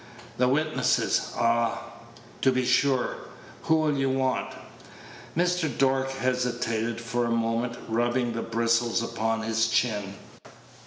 "The witnesses ah! to be sure. Who will you want?" Mr. Dork hesitated for a moment, rubbing the bristles upon his chin.